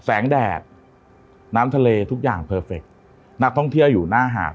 แดดน้ำทะเลทุกอย่างเพอร์เฟคนักท่องเที่ยวอยู่หน้าหาด